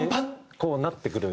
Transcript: こうなってくる。